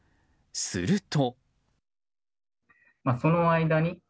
すると。